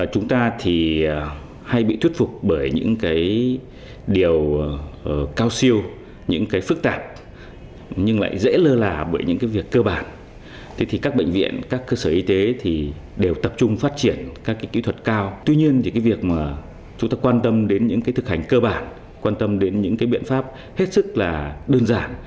chúng ta quan tâm đến những thực hành cơ bản quan tâm đến những biện pháp hết sức đơn giản